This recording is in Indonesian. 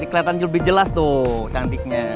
kelihatan lebih jelas tuh cantiknya